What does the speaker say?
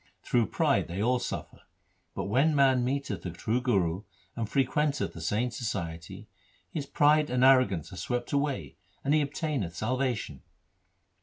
Through pride they all suffer. But when man meeteth the true Guru, and frequenteth the saints' society, his pride and arrogance are swept away, and he obtaineth salvation.'